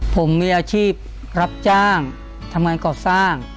ผมมีอาชีพรับจ้างทำงานก่อสร้าง